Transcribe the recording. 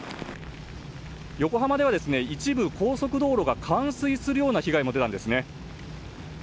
横浜では一部、高速道路が冠水するような被害も出たんですね。